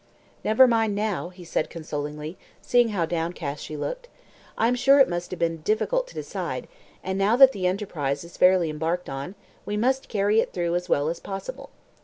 "Never mind now," he said consolingly, seeing how downcast she looked. "I am sure it must have been difficult to decide; and now that the enterprise is fairly embarked on, we must carry it through as well as possible.